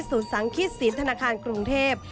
ศูนย์สังคิดศิลป์ธนาคารกรุงเทพฯ